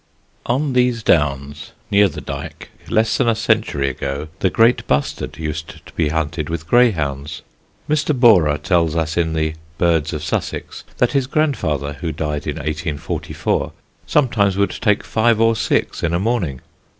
On these Downs, near the Dyke, less than a century ago the Great Bustard used to be hunted with greyhounds. Mr. Borrer tells us in the Birds of Sussex that his grandfather (who died in 1844) sometimes would take five or six in a morning.